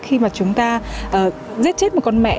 khi mà chúng ta giết chết một con mẹ